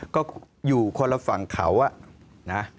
ก็อยู่คนละฝั่งเขานะ